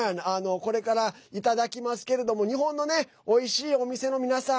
これから、いただきますけれども日本のおいしいお店の皆さん